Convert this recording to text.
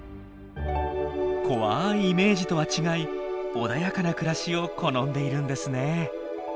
怖いイメージとは違い穏やかな暮らしを好んでいるんですね。